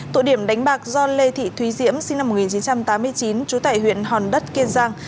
tụ điểm đánh bạc do lê thị thúy diễm sinh năm một nghìn chín trăm tám mươi chín trú tại huyện hòn đất kiên giang